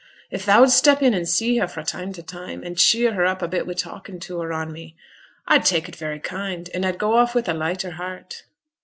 If thou'd step in and see her fra' time to time, and cheer her up a bit wi' talkin' to her on me, I'd tak' it very kind, and I'd go off wi' a lighter heart.'